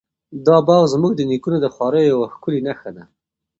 دا باغ زموږ د نیکونو د خواریو یوه ښکلې نښه ده.